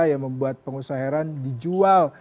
yang membuat pengusaha heran dijual